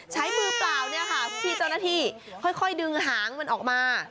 ใช้มือเปล่าเนี่ยค่ะที่เจ้าหน้าที่ค่อยดึงหางมันออกมา